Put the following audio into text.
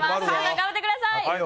頑張ってください。